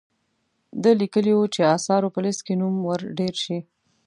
ده لیکلي وو چې آثارو په لیست کې نوم ور ډیر شي.